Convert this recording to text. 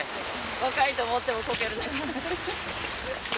若いと思ってもコケるの。